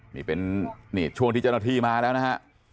นี่เป็นนี่ช่วงที่เจ้าหน้าที่มาแล้วนะฮะ